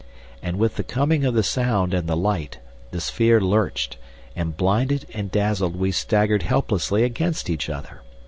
And with the coming of the sound and the light the sphere lurched, and blinded and dazzled we staggered helplessly against each other.